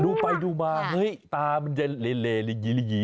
ดูไปดูมาเฮ้ยตามันจะเลลิยีลิยี